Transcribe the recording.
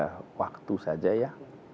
lebih kepada waktu saja ya